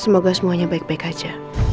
semoga semuanya baik baik aja